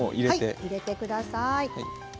入れてください。